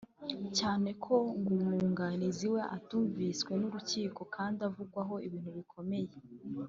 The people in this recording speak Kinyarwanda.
cyane ko ngo umwunganizi we atumviswe n’urukiko kandi avugwaho ibintu bikomeye